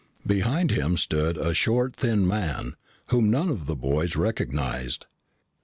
Behind him stood a short, thin man, whom none of the boys recognized.